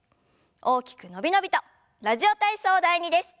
大きく伸び伸びと「ラジオ体操第２」です。